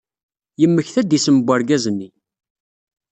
Yemmekta-d isem n urgaz-nni.